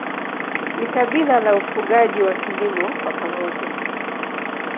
Ni kabila la ufugaji na kilimo kwa pamoja.